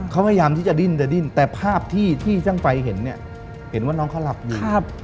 เขาพยายามที่จะดิ้นจะดิ้นแต่ภาพที่ที่ช่างไฟเห็นเนี่ยเห็นว่าน้องเขาหลับอยู่